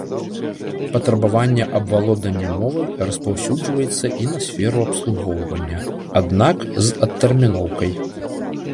Патрабаванне аб валоданні мовай распаўсюджваецца і на сферу абслугоўвання, аднак з адтэрміноўкай.